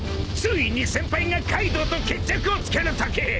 ［ついに先輩がカイドウと決着をつけるとき］